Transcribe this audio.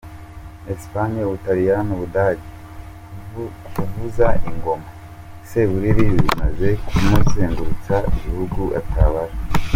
Espagne, Ubutariyani, Ubudage…kuvuza ingoma Seburiri bimaze kumuzengurutsa ibihugu atabara.